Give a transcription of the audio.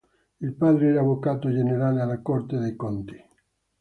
Il padre era avvocato generale alla Corte dei conti.